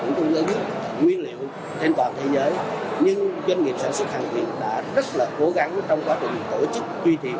họ cũng như mình cần sự khẳng định và tìm hiểu thị trường mới